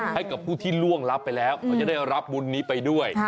ให้กับผู้ที่ร่วงรับไปแล้ว